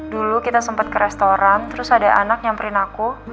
dulu kita sempat ke restoran terus ada anak nyamperin aku